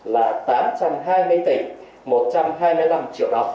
là tám trăm hai mươi tỷ một trăm hai mươi năm triệu đồng